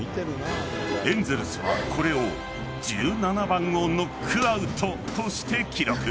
エンゼルスはこれを１７番をノックアウトとして記録。